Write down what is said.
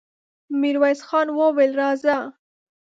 ميرويس خان وويل: راځه!